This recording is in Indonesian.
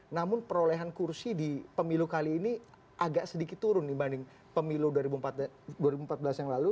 namun perolehan kursi di pemilu kali ini agak sedikit turun dibanding pemilu dua ribu empat belas yang lalu